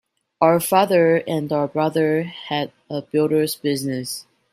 Our father and our brother had a builder's business.